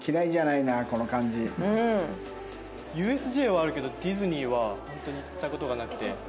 ＵＳＪはあるけどディズニーはホントに行った事がなくて。